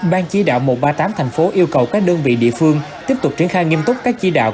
ban chỉ đạo một trăm ba mươi tám thành phố yêu cầu các đơn vị địa phương tiếp tục triển khai nghiêm túc các chỉ đạo